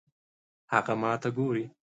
هغه ماته ګوري